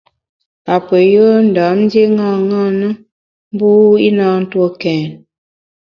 Apeyùe Ndam ndié ṅaṅâ na, mbu i na ntue kèn.